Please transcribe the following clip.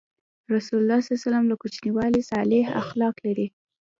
رسول الله ﷺ له کوچنیوالي صالح اخلاق لرل.